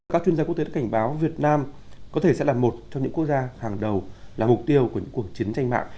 các chuyên gia quốc tế cảnh báo việt nam có thể sẽ là một trong những quốc gia hàng đầu là mục tiêu của những cuộc chiến tranh mạng